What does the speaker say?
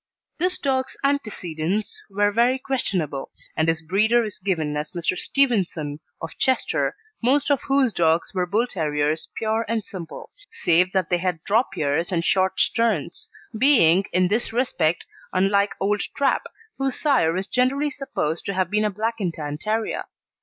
This dog's antecedents were very questionable, and his breeder is given as Mr. Stevenson, of Chester, most of whose dogs were Bull terriers pure and simple, save that they had drop ears and short sterns, being in this respect unlike old Trap, whose sire is generally supposed to have been a Black and Tan Terrier.